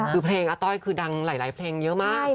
คือเพลงอาต้อยคือดังหลายเพลงเยอะมาก